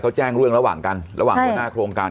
เขาแจ้งเรื่องระหว่างกันระหว่างหัวหน้าโครงการ